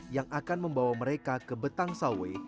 yang akan membawa mereka ke betang sawe